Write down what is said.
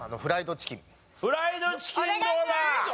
フライドチキンどうだ？